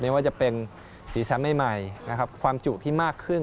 เน้นว่าจะเป็นสีแซ่มใหม่ความจุที่มากขึ้น